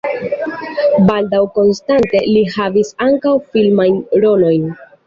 Baldaŭ konstante li havis ankaŭ filmajn rolojn.